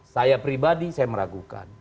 saya pribadi saya meragukan